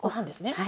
はい。